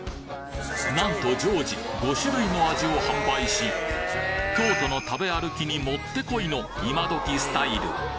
なんと常時５種類の味を販売し京都の食べ歩きにもってこいの今時スタイル